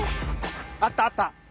あったあった。